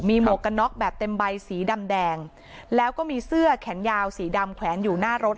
หมวกกันน็อกแบบเต็มใบสีดำแดงแล้วก็มีเสื้อแขนยาวสีดำแขวนอยู่หน้ารถ